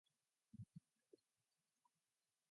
The term is used both positively and negatively.